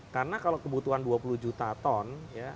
karena kalau kebutuhan dua puluh juta ton